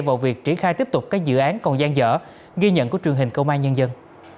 vào việc triển khai tiếp tục các dự án còn gian dở ghi nhận của truyền hình công an nhân dân